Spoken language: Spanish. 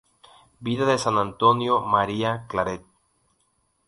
Vida de San Antonio María Claret".